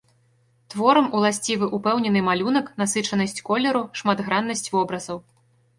Творам уласцівы ўпэўнены малюнак, насычанасць колеру, шматграннасць вобразаў.